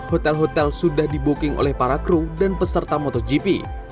hotel hotel sudah di booking oleh para kru dan peserta motogp